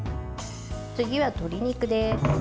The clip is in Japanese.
次は鶏肉です。